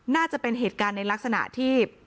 น่าจะเป็นเหตุการณ์ในลักษณะที่